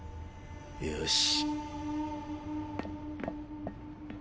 よし。